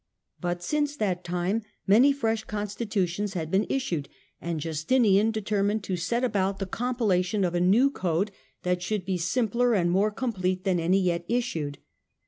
But since that time many fresh constitutions liad been issued, and Justinian determined to set about bhe compilation of a new code that should be simpler ind more complete than any yet issued.